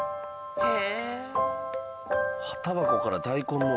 へえ！